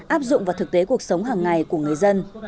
áp dụng vào thực tế cuộc sống hàng ngày của người dân